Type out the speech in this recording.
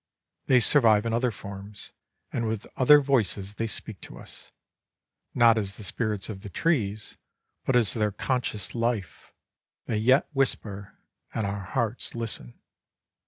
They survive in other forms, and with other voices they speak to us not as the spirits of the trees, but as their conscious life, they yet whisper, and our hearts listen.